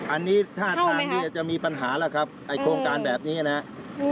อันนี้ท่าทางนี้จะมีปัญหาแล้วครับโครงการแบบนี้นะครับเข้าไหมครับ